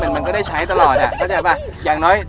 มันก็ได้ใช้ตลอดอ่ะเข้าใจป่ะ